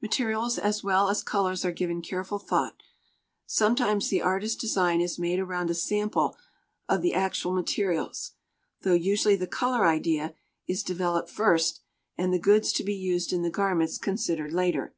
Materials as well as colors are given careful thought. Sometimes the artist's design is made around a sample of the actual materials, though usually the color idea is developed first and the goods to be used in the garments considered later.